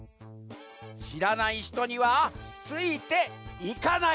しらないひとにはついて「いか」ない。